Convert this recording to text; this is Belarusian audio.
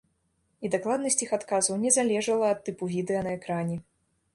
І дакладнасць іх адказаў не залежала ад тыпу відэа на экране.